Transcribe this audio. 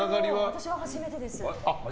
私は初めてです。